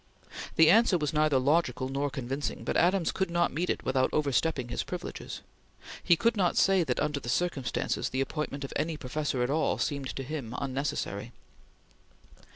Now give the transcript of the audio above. The answer was neither logical nor convincing, but Adams could not meet it without overstepping his privileges. He could not say that, under the circumstances, the appointment of any professor at all seemed to him unnecessary.